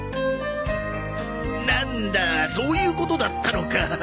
なんだそういうことだったのか。